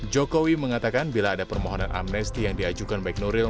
jokowi mengatakan bila ada permohonan amnesti yang diajukan baik nuril